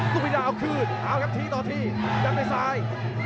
ลุงวิทยาเอาคืนเอาครับทีต่อทียังไม่ซ้าย